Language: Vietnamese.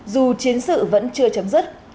dù chiến sự vẫn chưa chấm dứt